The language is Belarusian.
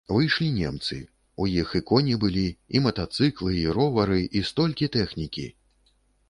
Выйшлі немцы, у іх і коні былі, і матацыклы, і ровары, і столькі тэхнікі.